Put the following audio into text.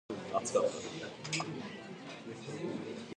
The festival features Turkey sandwiches and Strawberry Shortcake.